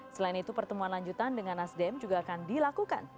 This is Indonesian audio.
selain itu pertemuan lanjutan dengan nasdem juga akan dilakukan